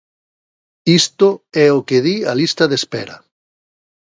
Isto é o que di a lista de espera.